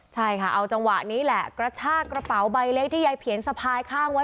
ใช่ค่ะเอาจังหวะนี้แหละกระชากระเป๋าใบเล็กที่ยายเผียนสะพายข้างไว้